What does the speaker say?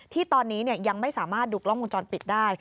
ที่ตอนนี้ยังไม่สามารถดูกล้องวงจรปิดได้